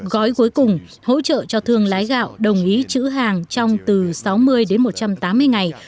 gói cuối cùng hỗ trợ cho thương lái gạo đồng ý chữ hàng trong từ sáu mươi đến một trăm tám mươi ngày